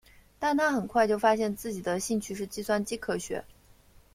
但他很快就发现自己的兴趣是计算机科学。